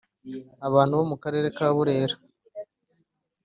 Abantu bo mu karere ka burera.